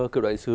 cựu đại sứ